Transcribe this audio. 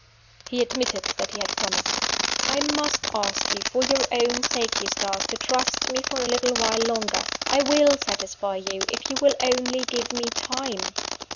He admitted that he had promised. "I must ask you, for your own sake, Eustace, to trust me for a little while longer. I will satisfy you, if you will only give me time."